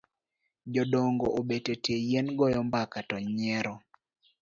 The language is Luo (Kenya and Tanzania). Jodongo obet etie yien goyo mbaka to nyiero.